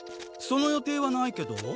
その予定はないけど。